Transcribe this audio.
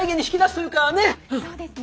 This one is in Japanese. そうですね！